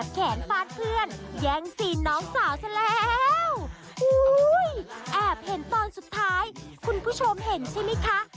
คุณผู้ชมเห็นใช่มั้ยคะ